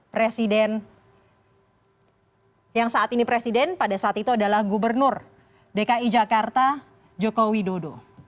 pemimpinannya adalah jokowi dodo